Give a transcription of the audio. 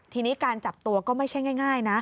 ทีนี้การจับตัวก็ไม่ใช่ง่ายนะ